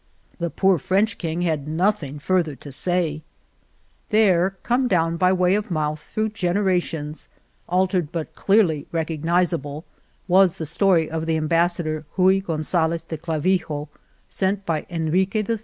The poor French king had nothing further to 59 Argamasilla say." There, come down by way of mouth through generations, altered but clearly rec ognizable, was the story of the Ambassador Rui Gonzalez de Clavijo, sent by Enrique III.